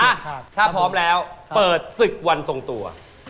ถ้าพร้อมแล้วเปิดศึกวันทรงตัว